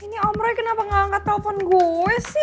ini om roy kenapa gak angkat telfon gue sih